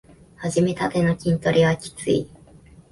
はじめたての筋トレはきつい